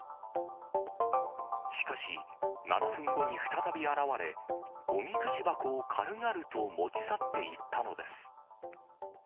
しかし７分後に再び現れ、おみくじ箱を軽々と持ち去っていったのです。